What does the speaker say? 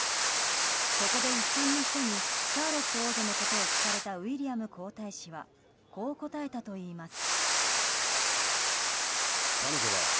ここで、一般の人にシャーロット王女のことを聞かれたウィリアム皇太子はこう答えたといいます。